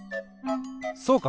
そうか！